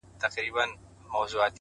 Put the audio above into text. o ککرۍ يې دي رېبلي دې بدرنگو ککریو ـ